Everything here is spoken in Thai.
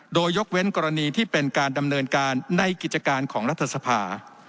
โดยยกเว้นกรณีที่เป็นการดำเนินการในกิจการของรัฐสภา